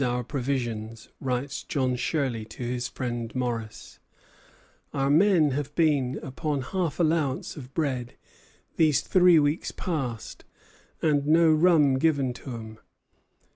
"All I am uneasy about is our provisions," writes John Shirley to his friend Morris; "our men have been upon half allowance of bread these three weeks past, and no rum given to 'em.